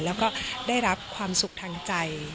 แล้วก็ได้รับความสุขทางใจ